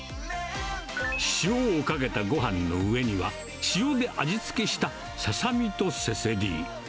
塩をかけたごはんの上には、塩で味付けしたささみとせせり。